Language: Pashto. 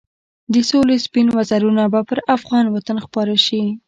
د سولې سپین وزرونه به پر افغان وطن خپاره شي.